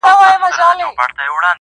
پرېږده دا زخم زړه ـ پاچا وویني.